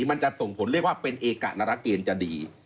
มันจะส่งผลเรียกว่าเป็นเอกะนรเกณฑ์จะดี